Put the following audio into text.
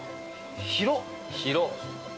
広っ。